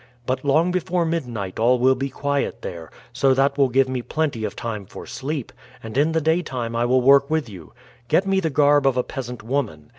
But long before midnight all will be quiet there; so that will give me plenty of time for sleep, and in the daytime I will work with you. Get me the garb of a peasant woman.